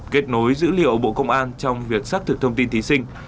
kết nối dữ liệu bộ công an trong việc xác thực thông tin thí sinh